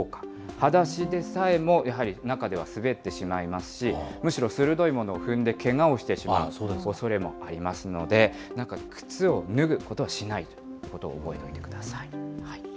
はだしでさえも、やはり中では滑ってしまいますし、むしろ鋭いものを踏んでけがをしてしまうおそれもありますので、靴を脱ぐことはしないということを覚えておいてください。